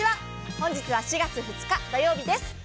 本日は４月２日土曜日です。